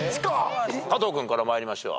加藤君から参りましょう。